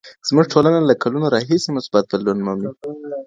زمونږ ټولنه له کلونو راهيسې مثبت بدلون مومي.